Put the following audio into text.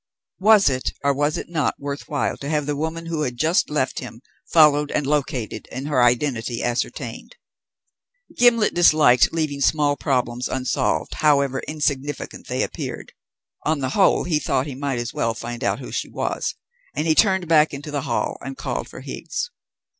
Was it, or was it not, worth while to have the woman who had just left him followed and located, and her identity ascertained? Gimblet disliked leaving small problems unsolved, however insignificant they appeared. On the whole, he thought he might as well find out who she was, and he turned back into the hall and called for Higgs.